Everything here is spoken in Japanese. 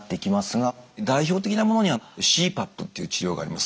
代表的なものにはＣＰＡＰっていう治療があります。